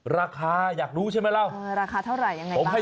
ราคาอยากรู้ใช่มั้ยเล่า